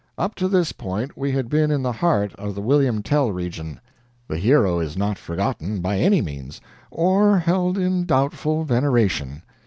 Up to this point we had been in the heart of the William Tell region. The hero is not forgotten, by any means, or held in doubtful veneration.